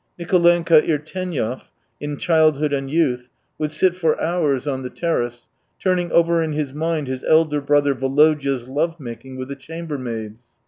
Nicolenka Irtenyev, in Childhood and Youth, would sit for hours on the terrace, turning over in his mind his elder brother Volodya's love making with the chamber maids.